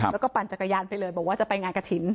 แล้วก็ปั่นจักรยานไปเลยบอกว่าจะไปงานกระถิ่น